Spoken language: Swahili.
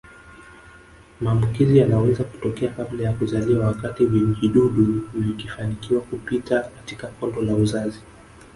Maambukizi yanaweza kutokea kabla ya kuzaliwa wakati vijidudu vikifanikiwa kupita katika kondo la uzazi